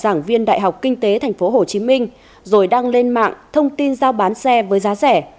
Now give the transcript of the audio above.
giảng viên đại học kinh tế tp hcm rồi đăng lên mạng thông tin giao bán xe với giá rẻ